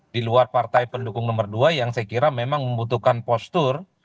di luar partai pendukung nomor dua yang saya kira memang membutuhkan postur